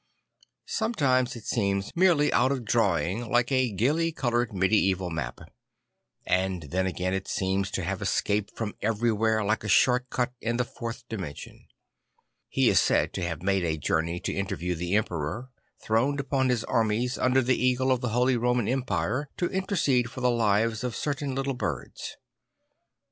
Some times it seems merely out of drawing like a gaily coloured medieval map; and then again it seems to have escaped from everything like a short cut in the fourth dimension. He is said to have made a journey to interview the Emperor, throned among his armies under the eagle of the Holy Roman Empire, to intercede for the lives of certain little birds.